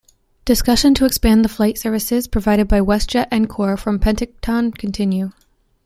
Discussion to expand the flight services provided by WestJet Encore from Penticton continue.